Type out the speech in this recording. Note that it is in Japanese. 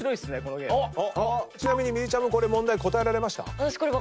ちなみにみりちゃむ問題答えられました？